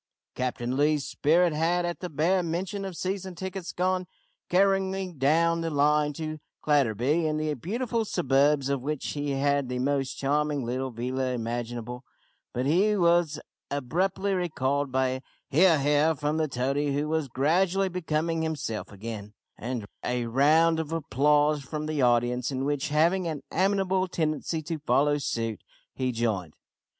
Captain Lee's spirit had, at the bare mention of season tickets, gone careering down the line to Clatterby, in the beautiful suburbs of which he had the most charming little villa imaginable, but he was abruptly recalled by a "he ar, he ar," from the toady, who was gradually becoming himself again, and a round of applause from the audience, in which, having an amiable tendency to follow suit, he joined.